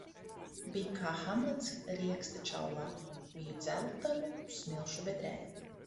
Biju kā Hamlets rieksta čaulā. Biju dzeltenu smilšu bedrē.